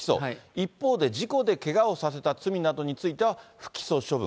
一方で、事故でけがをさせた罪などについては不起訴処分。